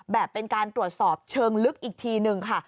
เป็นการตรวจสอบเชิงลึกอีกทีหนึ่งค่ะ